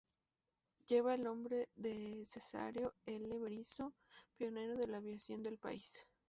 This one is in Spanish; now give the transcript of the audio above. Lleva el nombre de Cesáreo L. Berisso, pionero de la aviación del país.